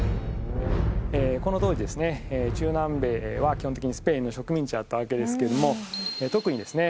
この当時ですね中南米は基本的にスペインの植民地だったわけですけども特にですね